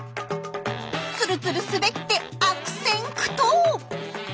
ツルツル滑って悪戦苦闘。